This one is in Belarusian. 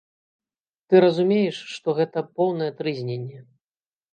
Ты разумееш, што гэта поўнае трызненне.